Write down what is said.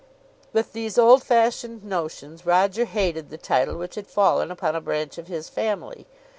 With these old fashioned notions Roger hated the title which had fallen upon a branch of his family.